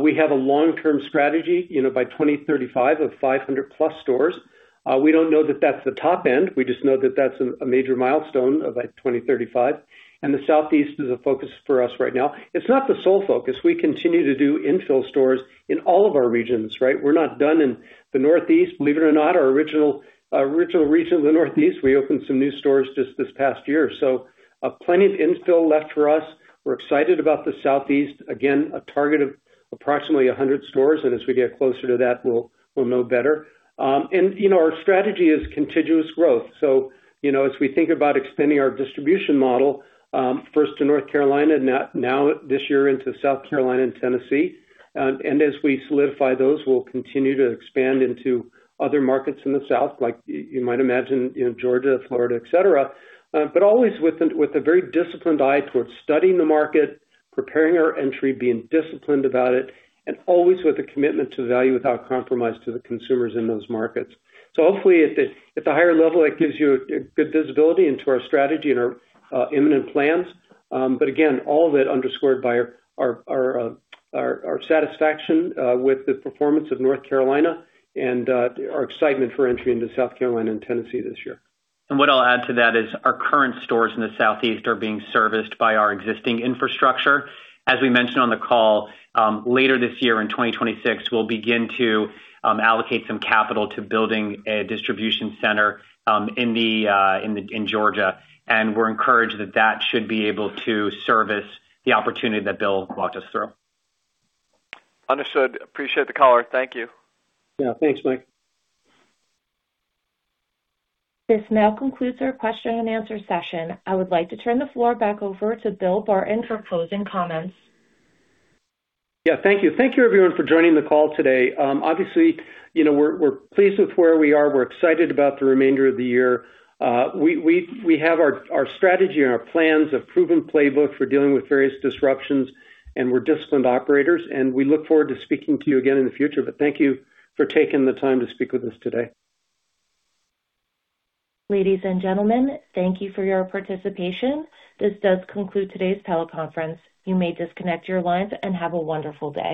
We have a long-term strategy, you know, by 2035 of 500+ stores. We don't know that that's the top end. We just know that that's a major milestone of, like, 2035. The southeast is a focus for us right now. It's not the sole focus. We continue to do infill stores in all of our regions, right? We're not done in the northeast. Believe it or not, our original region of the Northeast, we opened some new stores just this past year. Plenty of infill left for us. We're excited about the Southeast. Again, a target of approximately 100 stores, and as we get closer to that, we'll know better. You know, our strategy is contiguous growth. You know, as we think about expanding our distribution model, first to North Carolina, now this year into South Carolina and Tennessee. As we solidify those, we'll continue to expand into other markets in the South, like you might imagine, you know, Georgia, Florida, et cetera. Always with a very disciplined eye towards studying the market, preparing our entry, being disciplined about it, and always with a commitment to value without compromise to the consumers in those markets. Hopefully at the higher level, it gives you good visibility into our strategy and our imminent plans. Again, all of it underscored by our satisfaction with the performance of North Carolina and our excitement for entry into South Carolina and Tennessee this year. What I'll add to that is our current stores in the southeast are being serviced by our existing infrastructure. As we mentioned on the call, later this year in 2026, we'll begin to allocate some capital to building a distribution center in Georgia. We're encouraged that that should be able to service the opportunity that Bill walked us through. Understood. Appreciate the color. Thank you. Yeah, thanks, Mike. This now concludes our question and answer session. I would like to turn the floor back over to Bill Barton for closing comments. Thank you. Thank you everyone for joining the call today. Obviously, you know, we're pleased with where we are. We're excited about the remainder of the year. We have our strategy and our plans, a proven playbook for dealing with various disruptions, and we're disciplined operators, and we look forward to speaking to you again in the future. Thank you for taking the time to speak with us today. Ladies and gentlemen, thank you for your participation. This does conclude today's teleconference. You may disconnect your lines and have a wonderful day.